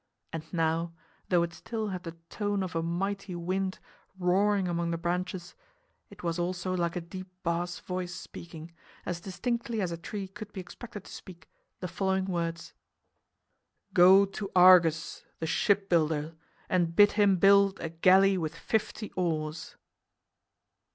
And now, though it still had the tone of a mighty wind roaring among the branches, it was also like a deep bass voice speaking, as distinctly as a tree could be expected to speak, the following words: "Go to Argus, the shipbuilder, and bid him build a galley with fifty oars."